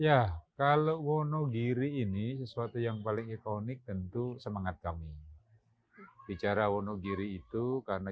ya kalau wonogiri ini sesuatu yang paling ikonik tentu semangat kami bicara wonogiri itu karena